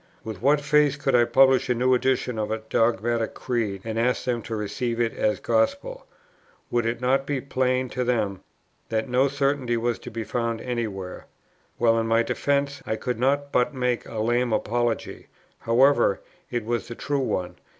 With what face could I publish a new edition of a dogmatic creed, and ask them to receive it as gospel? Would it not be plain to them that no certainty was to be found any where? Well, in my defence I could but make a lame apology; however, it was the true one, viz.